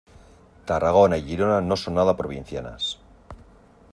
Tarragona y Girona no son nada provincianas.